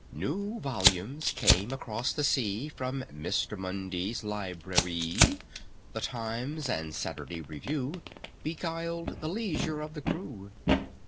New volumes came across the sea From MISTER MUDIE'S libraree; The Times and Saturday Review Beguiled the leisure of the crew.